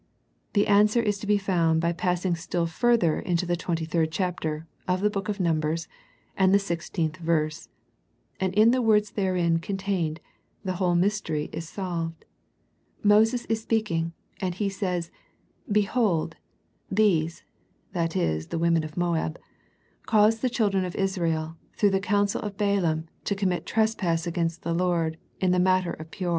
The answer is to be found by passing still further to the thirty third chapter, of the book of Numbers, and the sixteenth verse, and in the words therein contained, the whole mystery is solved. Moses is speaking, and he says, "" Behold, these/' that is, the women of Moab, '" caused the children of Israel, through the counsel of Balaam, to commit trespass against the Lord, in the mat ter of Peor."